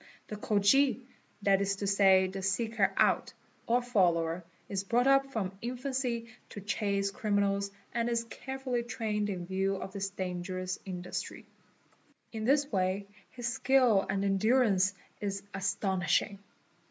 The Khoji—that is to say the seeker out, 01 follower—is brought up from infancy to chase criminals and is careful Vv trained in view of this dangerous industry. In this way his skill an endurance is astonishing.